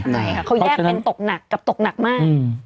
ใช่ค่ะเขาแยกเป็นตกหนักกับตกหนักมาก